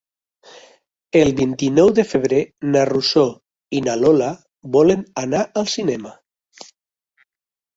El vint-i-nou de febrer na Rosó i na Lola volen anar al cinema.